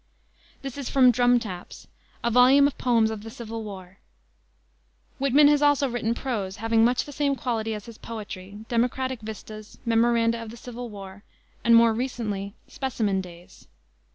This is from Drum Taps, a volume of poems of the civil war. Whitman has also written prose having much the same quality as his poetry: Democratic Vistas, Memoranda of the Civil War, and more recently, Specimen Days.